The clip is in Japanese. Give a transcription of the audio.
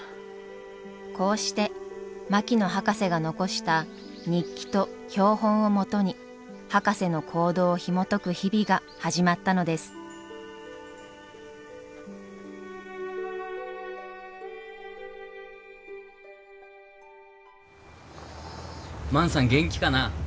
こうして槙野博士が残した日記と標本をもとに博士の行動をひもとく日々が始まったのです万さん元気かな？